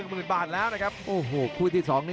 อื้อหือจังหวะขวางแล้วพยายามจะเล่นงานด้วยซอกแต่วงใน